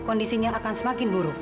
kondisinya akan semakin buruk